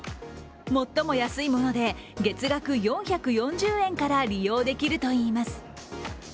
最も安いもので月額４４０円から利用できるといいます。